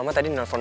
gak ada telfon